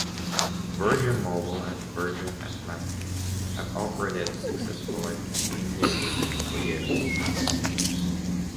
Virgin Mobile and Virgin Atlantic have operated successfully in the Indian region for years.